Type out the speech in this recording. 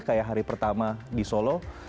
kayak hari pertama di solo